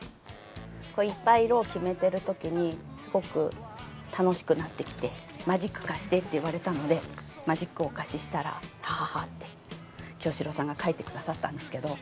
いっぱい色を決めてる時にすごく楽しくなってきて「マジック貸して」って言われたのでマジックをお貸ししたら「ははは」って清志郎さんが書いて下さったんですけど。